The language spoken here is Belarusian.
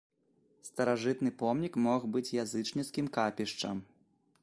Старажытны помнік мог быць язычніцкім капішчам.